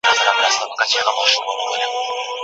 افغانان خاورې وساتلې